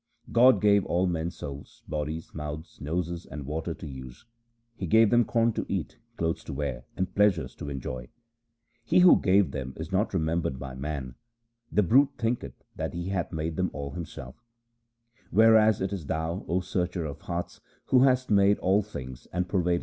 God gave all men souls, bodies, mouths, noses, and water to use ; He gave them corn to eat, clothes to wear, and pleasures to enjoy. He who gave them is not remembered by man ; the brute thinketh that he hath made them all himself ; Whereas it is Thou, O Searcher of hearts, who hast made all things and pervadest them.